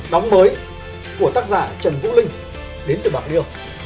đến từ bạc điêu